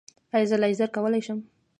ایا زه لیزر کولی شم؟